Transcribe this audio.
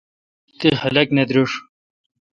تی خلق نہ درݭ۔